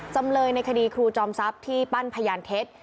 จำเลยในคดีครูจอมทรัพย์ที่ปั้นพยานเท็จ